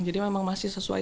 jadi memang masih sesuai